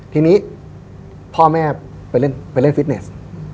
ทีนี้พ่อแม่ไปเล่นฟิตเนส